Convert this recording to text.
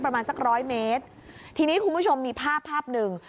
ประมาณสักร้อยเมตรทีนี้คุณผู้ชมมีภาพภาพหนึ่ง